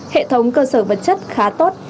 hệ thống cơ sở vật chất khá tốt